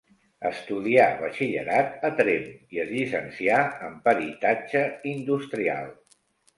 Estudià batxillerat a Tremp i es llicencià en peritatge industrial.